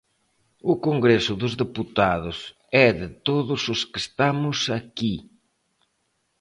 O Congreso dos deputados é de todos os que estamos aquí.